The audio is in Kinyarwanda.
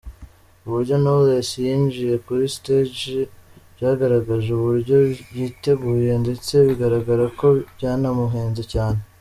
Uburyo Knowless yinjiye kuri Stage byagaragaje uburyo yiteguye ndetse bigaragara ko byanamuhenze cyane.